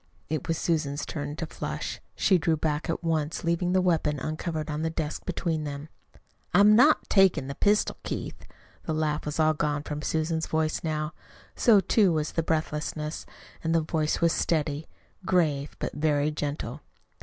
It was Susan's turn to flush. She drew back at once, leaving the weapon uncovered on the desk between them. "I'm not takin' the pistol, Keith." The laugh was all gone from Susan's voice now. So, too, was the breathlessness. The voice was steady, grave, but very gentle.